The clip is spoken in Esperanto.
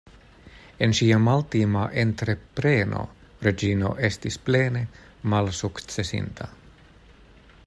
En ŝia maltima entrepreno Reĝino estis plene malsukcesinta.